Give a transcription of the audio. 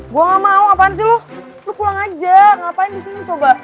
gue gak mau apaan sih lo lo pulang aja ngapain disini coba